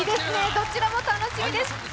どちらも楽しみです。